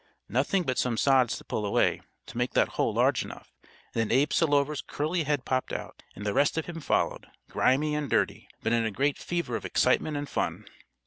Nothing but some sods to pull away, to make that hole large enough, and then Abe Selover's curly head popped out, and the rest of him followed, grimy and dirty, but in a great fever of excitement and fun.